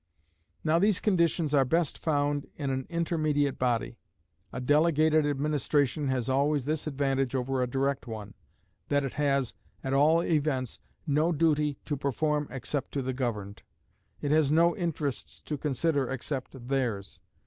Now these conditions are best found in an intermediate body. A delegated administration has always this advantage over a direct one, that it has, at all events, no duty to perform except to the governed. It has no interests to consider except theirs.